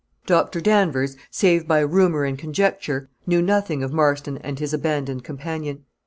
Doctor Danvers, save by rumor and conjecture, knew nothing of Marston and his abandoned companion.